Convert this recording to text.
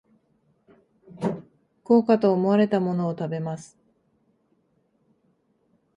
豪華と思われたものを食べます